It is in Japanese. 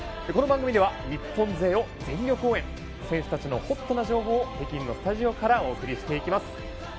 この番組では選手たちのホットな情報を北京のスタジオからお送りしていきます。